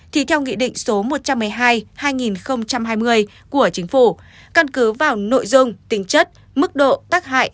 thì theo nghị định số một trăm một mươi hai hai nghìn hai mươi của chính phủ căn cứ vào nội dung tính chất mức độ tác hại